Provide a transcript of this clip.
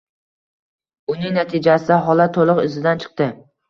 Buning natijasida holat to‘liq izidan chiqdi.